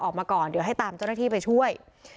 ออกมาก่อนเดี๋ยวให้ตามเจ้าหน้าที่ไปช่วย